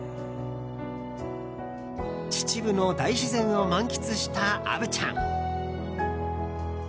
秩父の大自然を満喫した虻ちゃん。